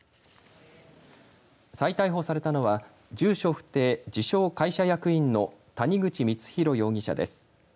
再逮捕されたのは住所不定、自称、会社役員の谷口光弘容疑者です。